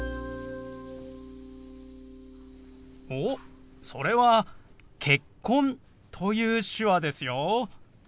おっそれは「結婚」という手話ですよ。